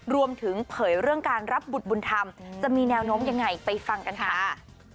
เผยเรื่องการรับบุตรบุญธรรมจะมีแนวโน้มยังไงไปฟังกันค่ะ